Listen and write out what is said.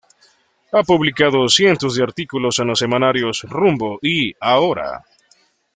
Ha publicado cientos de artículos en los semanarios "Rumbo y ¡Ahora!